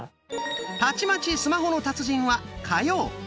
「たちまちスマホの達人」は火曜。